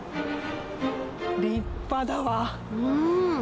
立派だわ。